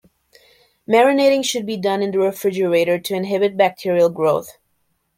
Marinating should be done in the refrigerator to inhibit bacterial growth.